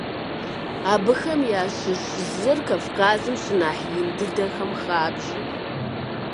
Абыхэм ящыщ зыр Кавказым щынэхъ ин дыдэхэм хабжэ.